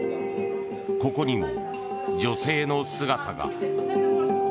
ここにも、女性の姿が。